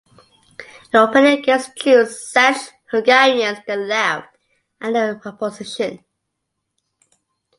It operated against Jews, Czechs, Hungarians, the Left, and the opposition.